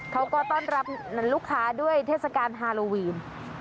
เขาก็ต้อนรับลูกค้าด้วยเทศกาลฮาโลวีน